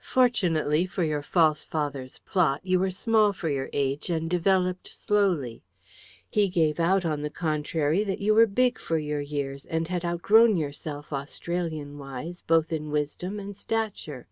Fortunately for your false father's plot, you were small for your age, and developed slowly: he gave out, on the contrary, that you were big for your years and had outgrown yourself, Australian wise, both in wisdom and stature."